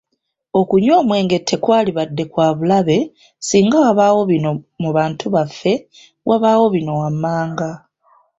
Okunywa omwenge tekwalibadde kwa bulabe singa wabaawo bino mu bantu baffe wabaawo bino wammanga